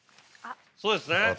そうですね。